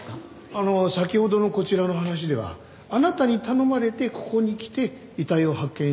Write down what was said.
あの先ほどのこちらの話ではあなたに頼まれてここに来て遺体を発見したという事ですけど。